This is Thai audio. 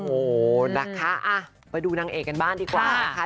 โอ้โหนะคะไปดูนางเอกกันบ้างดีกว่านะคะ